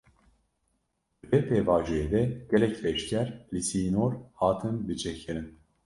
Di vê pêvajoyê de gelek leşker, li sînor hatin bicih kirin